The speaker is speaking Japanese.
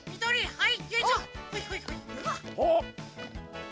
はい！